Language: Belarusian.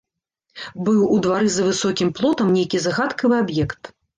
Быў у двары за высокім плотам нейкі загадкавы аб'ект.